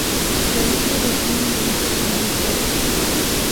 David le recibe y le invita a tomar un trago.